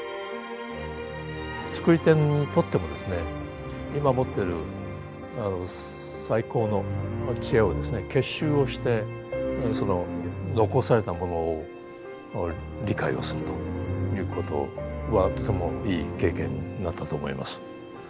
つくり手にとってもですね今持ってる最高の知恵をですね結集をしてその残されたものを理解をするということはとてもいい経験になったと思います。